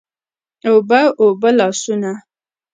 اوبه، اوبه لاسونه